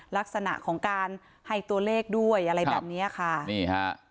ลักษณะของการให้ตัวเลขด้วยอะไรแบบเนี้ยค่ะนี่ฮะ